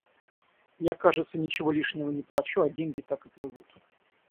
Я, кажется, ничего лишнего не плачу, а деньги так и плывут.